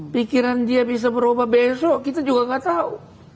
pikiran dia bisa berubah besok kita juga gak tahu